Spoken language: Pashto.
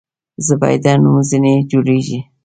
زبیده نوم ځنې جوړېږي.